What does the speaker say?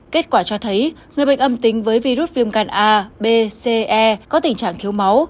kết quả cho thấy người bệnh âm tính với virus viêm gan a b ce có tình trạng thiếu máu